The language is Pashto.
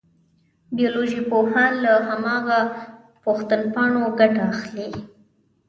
بیولوژي پوهان له هماغه پوښتنپاڼو ګټه اخلي.